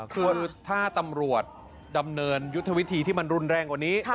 คือถ้าตำรวจดำเนินยุทธวิธีที่มันรุนแรงกว่านี้